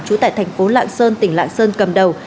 trú tại thành phố lạng sơn tỉnh lạng sơn cầm đầu